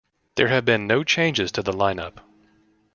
There have been no changes to the lineup.